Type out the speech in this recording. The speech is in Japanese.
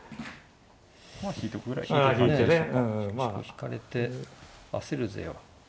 引かれて焦るぜよ。